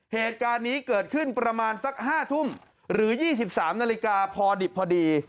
เหตุการณ์นี้เกิดขึ้นประมาณสัก๕ทุ่มหรือ๒๓นาฬิกาพอดิบพอดี